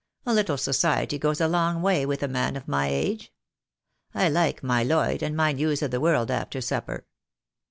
A little society goes a long way with a man of my age. I like my Lloyd and my News of the World after supper."